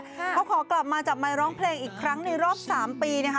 เขาขอกลับมาจับไมค์ร้องเพลงอีกครั้งในรอบ๓ปีนะคะ